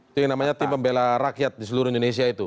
itu yang namanya tim pembela rakyat di seluruh indonesia itu